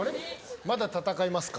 まだ戦いますか？